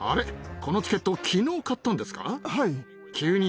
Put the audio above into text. このチケット、きのう買ったんですか？